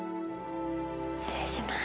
失礼します。